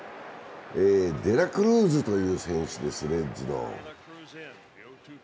デラクルーズという選手です、レッズの。